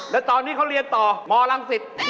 และตอนนี้เขาเรียนต่อมรังศิษย์